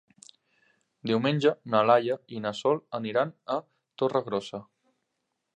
Diumenge na Laia i na Sol aniran a Torregrossa.